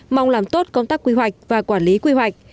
mong làm tốt công tác quy hoạch và quản lý quy hoạch